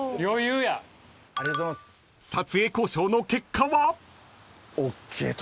［撮影交渉の結果は？］